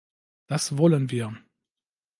Das wollen wir.